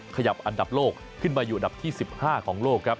ขยับอันดับโลกขึ้นมาอยู่อันดับที่๑๕ของโลกครับ